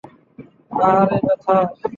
আহারে, ব্র্যায!